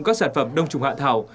các sản phẩm đồng trùng hạ thảo